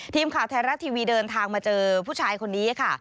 ทีมข่าวไทยรัฐทีวีเดินทางมาเจอผู้ชายคนนี้ค่ะ